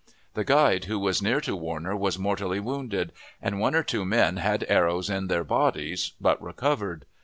The guide, who was near to Warner, was mortally wounded; and one or two men had arrows in their bodies, but recovered.